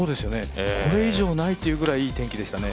これ以上ないというぐらいいい天気でしたよね。